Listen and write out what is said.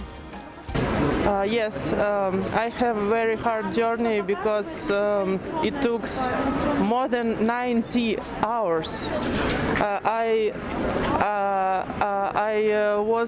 saya memiliki perjalanan yang sangat sukar karena membutuhkan lebih dari sembilan puluh jam